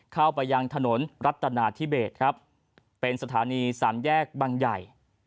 เข้าไปยังถนนรัฐนาธิเบสครับเป็นสถานีสามแยกบังใหญ่